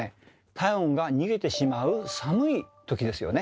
体温が逃げてしまう寒いときですよね。